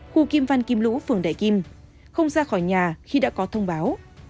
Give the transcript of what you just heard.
khu kim văn kim lũ phường đại kim không ra khỏi nhà khi đã có thông báo